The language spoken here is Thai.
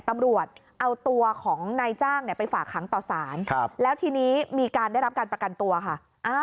ตำรวจเอาตัวของนายจ้างไปฝากหางต่อสารแล้วทีนี้มีการได้รับการประกันตัวค่ะ